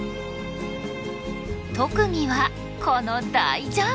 特技はこの大ジャンプ！